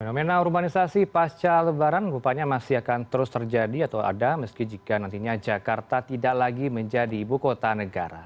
fenomena urbanisasi pasca lebaran rupanya masih akan terus terjadi atau ada meski jika nantinya jakarta tidak lagi menjadi ibu kota negara